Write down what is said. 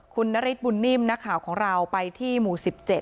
คุณนฤทธบุญนิ่มนักข่าวของเราไปที่หมู่๑๗